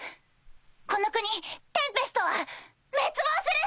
この国テンペストは滅亡する！